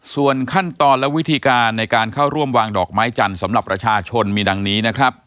ส่วนขั้นตอนและวิธีการในการเข้าร่วมวางดอกไม้จันทร์สำหรับประชาชนมีดังนี้นะครับ